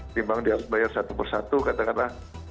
memang dia harus bayar satu persatu kata kata